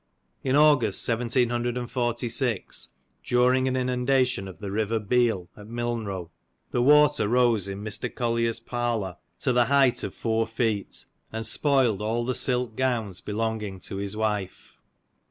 In August 1746, during an inundation of the river Beal, at Milnrow, the water rose in Mr. Collier's parlour to the height of four feet, and spoiled all the silk gowns belonging to his wife.